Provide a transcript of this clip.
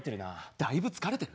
だいぶ疲れてる？